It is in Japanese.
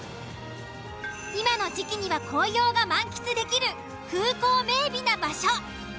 今の時期には紅葉が満喫できる風光明媚な場所。